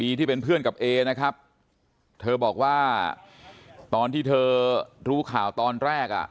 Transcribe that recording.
ที่เป็นเพื่อนกับเอนะครับเธอบอกว่าตอนที่เธอรู้ข่าวตอนแรกอ่ะ